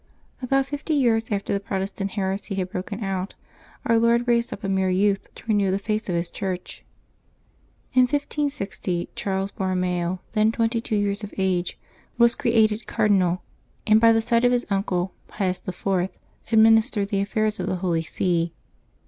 a BOUT fifty years after the Protestant heresy had broken out, Our Lord raised up a mere youth to renew the face of His Church. In 1560 Charles Borromeo, then twenty two years of age, was created cardinal, and by NovEMBEB 5] LIVES OF THE SAINTS 351 the side of his uncle, Pius lY., administered the affairs of the Holy See.